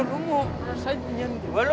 nunggu rasanya dingin juga lo